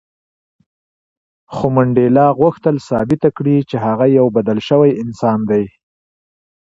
خو منډېلا غوښتل ثابته کړي چې هغه یو بدل شوی انسان دی.